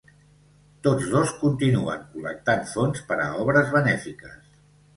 Tots dos continuen col·lectant fons per a obres benèfiques.